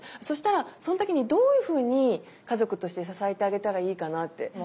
そうしたらその時にどういうふうに家族として支えてあげたらいいかなって。